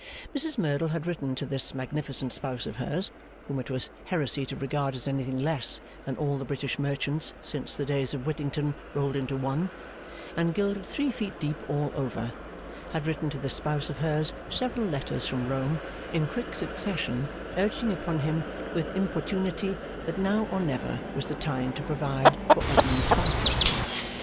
Mrs Merdle had written to this magnificent spouse of hers, whom it was heresy to regard as anything less than all the British Merchants since the days of Whittington rolled into one, and gilded three feet deep all over had written to this spouse of hers, several letters from Rome, in quick succession, urging upon him with importunity that now or never was the time to provide for Edmund Sparkler.